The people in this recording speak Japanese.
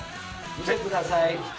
見てください。